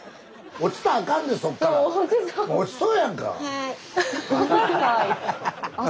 落ちそうやんか。